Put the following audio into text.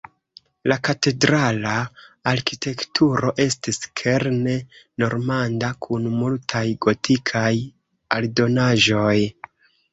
La katedrala arkitekturo estis kerne normanda kun multaj gotikaj aldonaĵoj.